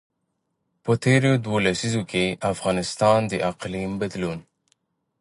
په تېرو دوو لسیزو کې افغانستان د اقلیم بدلون.